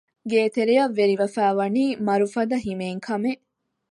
ގޭތެރެއަށް ވެރިވެފައިވަނީ މަރުފަދަ ހިމޭން ކަމެއް